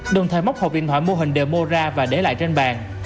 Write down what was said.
đường thầy móc hộp điện thoại mô hình đều mô ra và để lại trên bàn